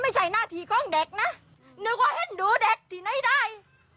ไม่ใช่หน้าที่ของเด็กนะเด็กทั้งนานก็ไม่รู้ว่าเด็กที่นายได้